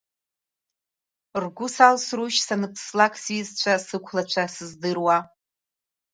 Ргәы салсрушь саныԥслак, сҩызцәа, сықәлацәа, сыздыруа?